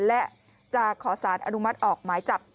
และจะขอสารอนุมัติออกหมายจับ